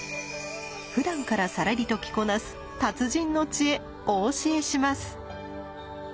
ふだんからさらりと着こなす達人の知恵お教えします。